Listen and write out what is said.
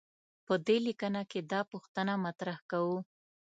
په دې لیکنه کې دا پوښتنه مطرح کوو.